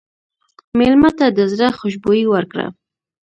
مېلمه ته د زړه خوشبويي ورکړه.